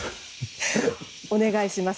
お願いします。